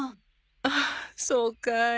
ああそうかい。